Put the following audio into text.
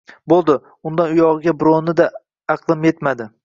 Bo‘ldi — undan uyog‘iga birovini-da aqli yetmadi!